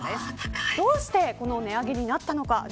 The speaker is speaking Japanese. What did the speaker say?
どうして値上げになったのか。